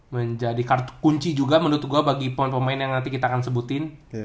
menjadi kunci juga menurut gue bagi pemain pemain yang nanti kita akan sebutin